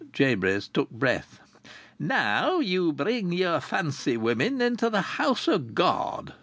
Jabez took breath. "Now ye bring yer fancy women into the House o' God!